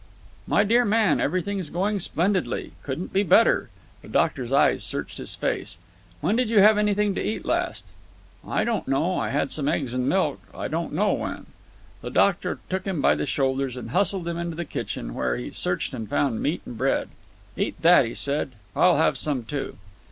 "My dear man, everything's going splendidly. Couldn't be better." The doctor's eyes searched his face. "When did you have anything to eat last?" "I don't know. I had some eggs and milk. I don't know when." The doctor took him by the shoulders and hustled him into the kitchen, where he searched and found meat and bread. "Eat that," he said. "I'll have some, too."